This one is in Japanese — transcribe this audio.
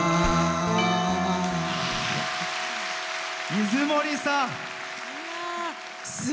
水森さん。